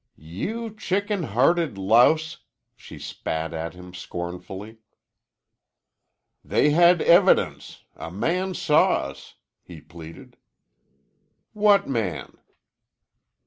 "You chicken hearted louse," she spat at him scornfully. "They had evidence. A man saw us," he pleaded. "What man?"